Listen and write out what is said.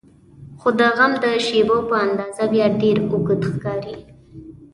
خو د غم د شیبو په اندازه بیا ډېر اوږد ښکاري.